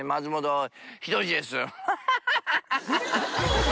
ハハハ